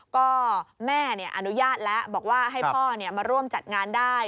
ก็แม่อนุญาตแล้วบอกว่าให้พ่อมาร่วมจัดงานได้